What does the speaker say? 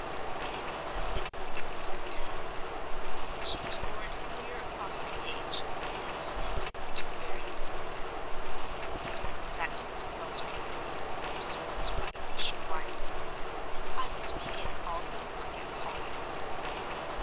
"I didn't know it did look so bad" And she tore it clear across the page, and then snipped it into very little bits. "That's the result of hurry," observed Mother Fisher, wisely, "and I would begin all over again, Polly."